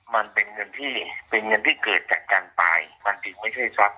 มันเป็นเงินที่เป็นเงินที่เกิดจากการตายมันจึงไม่ใช่ทรัพย